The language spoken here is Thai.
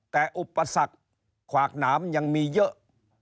แต่อุปสรรคขวากหนามยังมีเยอะ